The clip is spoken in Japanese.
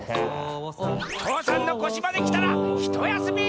父山のこしまできたらひとやすみ！